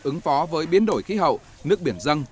ứng phó với biến đổi khí hậu nước biển dân